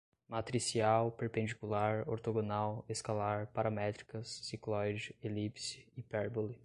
matricial, perpendicular, ortogonal, escalar, paramétricas, cicloide, elipse, hipérbole